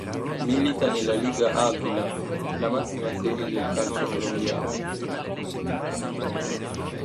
Milita nella Liga Águila, la massima serie del calcio colombiano.